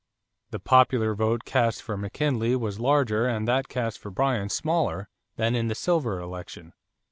The popular vote cast for McKinley was larger and that cast for Bryan smaller than in the silver election.